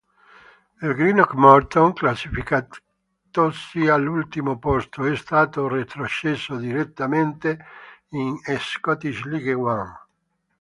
Il Greenock Morton, classificatosi all'ultimo posto, è stato retrocesso direttamente in Scottish League One.